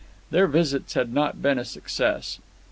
Their visits had not been a success.